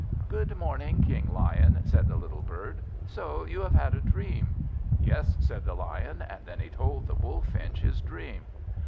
"Good morning, King Lion," said the little bird. "So you have had a dream?" "Yes," said the Lion, and then he told the Bullfinch his dream.